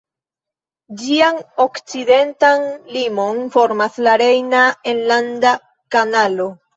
Ĝian okcidentan limon formas la Rejna Enlanda Kanalo.